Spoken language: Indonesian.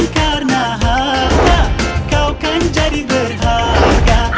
kau kan jadi berharga